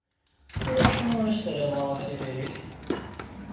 I wacu ur as-terriḍ ara tiririt?